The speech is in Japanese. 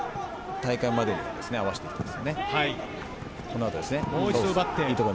大会までに合わせていきたいですね。